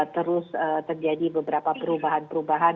terus terjadi beberapa perubahan perubahan